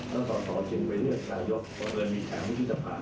แล้วสอสอจึงไปเลือกนายกก็เลยมีแขนวิทยาภาพ